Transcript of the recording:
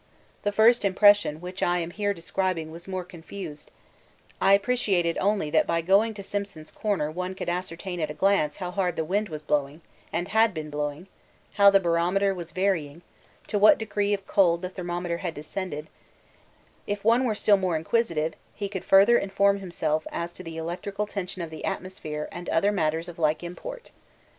The first impression which I am here describing was more confused; I appreciated only that by going to 'Simpson's Corner' one could ascertain at a glance how hard the wind was blowing and had been blowing, how the barometer was varying, to what degree of cold the thermometer had descended; if one were still more inquisitive he could further inform himself as to the electrical tension of the atmosphere and other matters of like import.